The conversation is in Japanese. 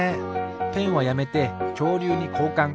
ペンはやめてきょうりゅうにこうかん。